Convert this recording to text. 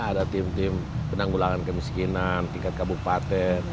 ada tim tim penanggulangan kemiskinan tingkat kabupaten